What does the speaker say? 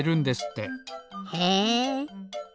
へえ。